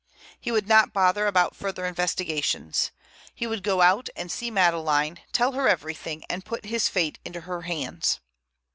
He would not bother about further investigations. He would go out and see Madeleine, tell her everything, and put his fate into her hands.